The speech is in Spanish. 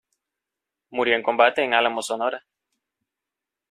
Murió en combate en Álamos, Sonora.